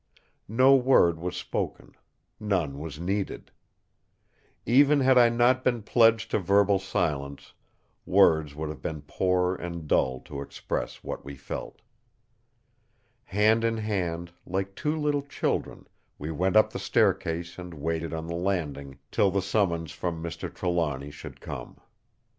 No word was spoken; none was needed. Even had I not been pledged to verbal silence, words would have been poor and dull to express what we felt. Hand in hand, like two little children, we went up the staircase and waited on the landing, till the summons from Mr. Trelawny should come.